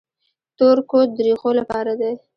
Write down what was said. تور کود د ریښو لپاره دی.